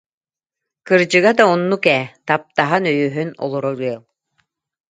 Кырдьыга да оннук ээ, таптаһан, өйөһөн олорор ыал